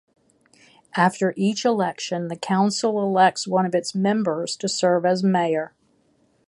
After each election, the council elects one of its members to serve as mayor.